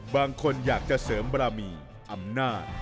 บางคนอยากจะเสริมบารมีอำนาจ